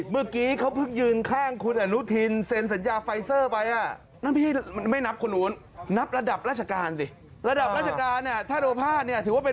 เมื่อกี้เขาเพิ่งยืนข้างคุณอนุทินเซ็นสัญญาไฟเซอร์ไป